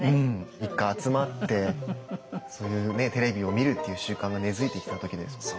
一家集まってそういうテレビを見るっていう習慣が根づいてきた時ですもんね。